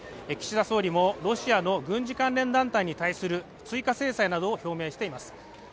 岸田総理もロシアの軍事関連団体に関する追加制裁などを表明しています。